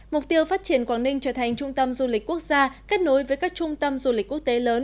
mục tiêu phát triển quảng ninh trở thành trung tâm du lịch quốc gia kết nối với các trung tâm du lịch quốc tế lớn